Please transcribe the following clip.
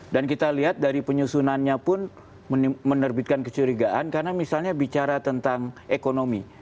dan kita lihat dari penyusunannya pun menerbitkan kecurigaan karena misalnya bicara tentang ekonomi